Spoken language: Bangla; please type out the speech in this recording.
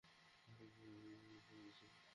উনাকে জিজ্ঞেস করেছিলি?